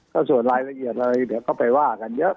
ก็ส่วนรายละเอียดอะไรเดี๋ยวก็ไปว่ากันเยอะ